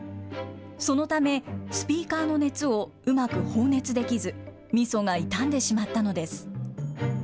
そのため、スピーカーの熱をうまく放熱できず、みそが傷んでしまったのです。